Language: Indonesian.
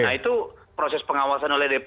nah itu proses pengawasan oleh dpr